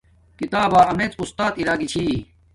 کتابا امیڎ اُستات ارا گی چھی